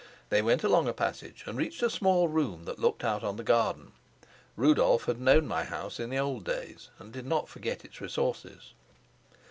They went along a passage and reached a small room that looked out on the garden. Rudolf had known my house in old days, and did not forget its resources.